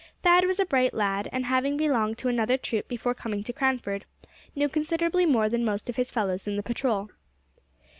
Thad was a bright lad, and having belonged to another troop before coming to Cranford, knew considerably more than most of his fellows in the patrol.